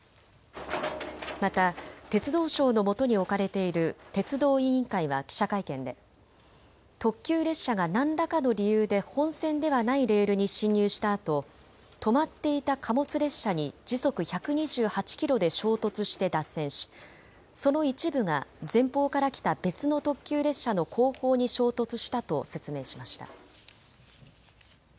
また鉄道相のもとに置かれている鉄道委員会は記者会見で特急列車が何らかの理由で本線ではないレールに進入したあと止まっていた貨物列車に時速１２８キロで衝突して脱線しその一部が前方から来た別の特急列車の後方に衝突したと説明しました。